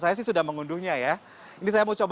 saya sih sudah mengunduhnya ya